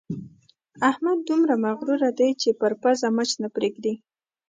احمد دومره مغروره دی چې پر پزه مچ نه پرېږدي.